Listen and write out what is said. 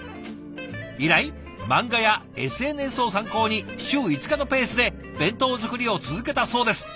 以来漫画やＳＮＳを参考に週５日のペースで弁当作りを続けたそうです。